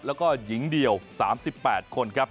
แล้วก็หญิงเดียว๓๘คนครับ